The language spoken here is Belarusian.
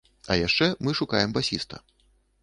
А яшчэ мы шукаем басіста.